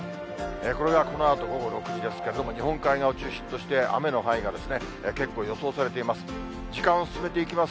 これがこのあと午後６時ですけれども、日本海側を中心として、雨の範囲が結構予想されています。